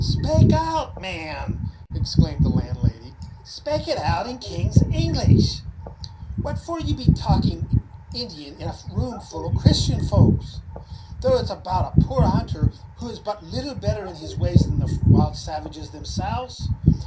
"Spake it out, man," exclaimed the landlady; "spake it out in king's English; what for should ye be talking Indian in a room full of Christian folks, though it is about a poor hunter, who is but little better in his ways than the wild savages themselves?